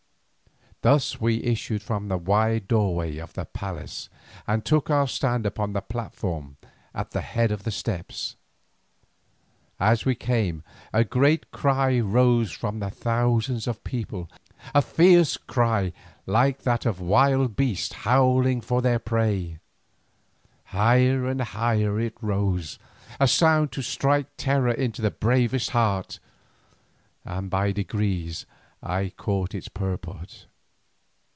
Thus we issued from the wide doorway of the palace and took our stand upon the platform at the head of the steps. As we came a great cry rose from the thousands of the people, a fierce cry like that of wild beasts howling for their prey. Higher and higher it rose, a sound to strike terror into the bravest heart, and by degrees I caught its purport.